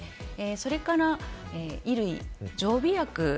それから衣類、常備薬